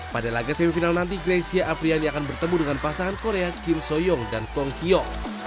pada laga semifinal nanti greysia apriani akan bertemu dengan pasangan korea kim soyoung dan kong hyo